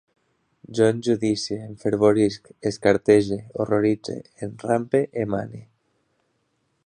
Jo enjudicie, enfervorisc, escartege, horroritze, enrampe, emane